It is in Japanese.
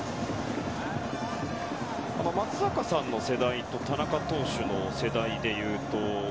松坂さんの世代と田中さんの世代でいうと。